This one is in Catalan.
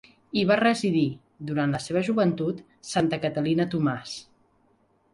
Hi va residir, durant la seva joventut, santa Catalina Tomàs.